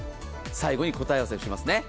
最後に答え合わせをしますね。